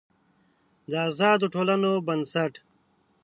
د آزادو ټولنو بنسټ